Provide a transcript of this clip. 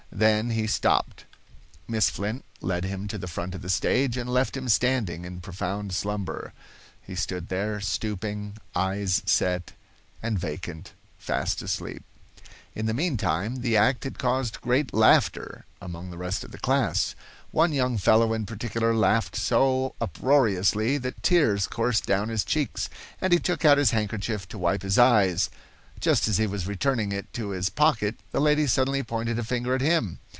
Then he stopped. Miss Flint led him to the front of the stage and left him standing in profound slumber. He stood there, stooping, eyes set, and vacant, fast asleep. In the meantime the act had caused great laughter among the rest of the class. One young fellow in particular, laughed so uproariously that tears coursed down his cheeks, and he took out his handkerchief to wipe his eyes. Just as he was returning it to his pocket, the lady suddenly pointed a finger at him.